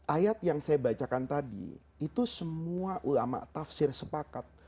ayat yang saya bacakan tadi itu semua ulama tafsir sepakat